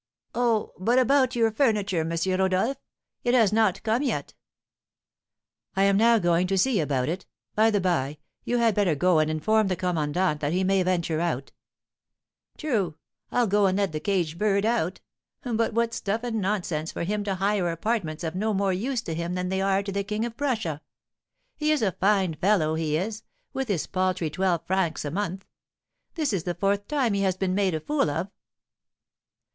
Oh! but about your furniture, M. Rodolph; it has not come yet." "I am now going to see about it. By the by, you had better go and inform the commandant that he may venture out." "True; I'll go and let the caged bird out. But what stuff and nonsense for him to hire apartments of no more use to him than they are to the King of Prussia! He is a fine fellow, he is, with his paltry twelve francs a month. This is the fourth time he has been made a fool of."